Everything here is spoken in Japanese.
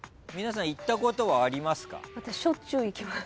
私しょっちゅう行きます。